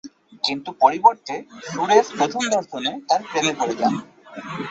কিন্তু পরিবর্তে সুরেশ প্রথম দর্শনে তার প্রেমে পড়ে যান।